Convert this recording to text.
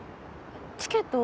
チケット？